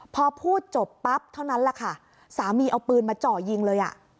พอพูดจบปั๊บเท่านั้นแหละค่ะสามีเอาปืนมาเจาะยิงเลยอ่ะ